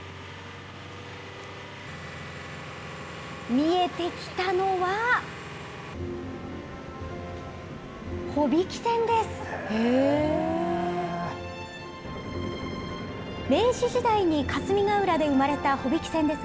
見えてきたのは、帆引き船です。